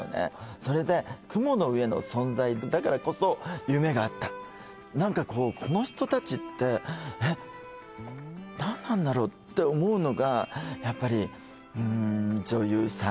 それで雲の上の存在だからこそ夢があった何かこうこの人達ってえっ何なんだろうって思うのがやっぱりうーん女優さん？